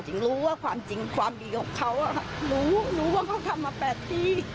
จริงรู้ว่าความจริงความดีของเขารู้ว่าเขาทำมาแปลกดี